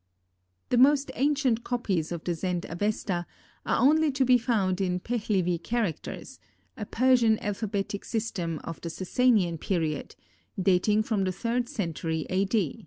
The most ancient copies of the Zend Avesta are only to be found in Pehlivi characters, a Persian alphabetic system of the Sassanian period, dating from the 3d century A.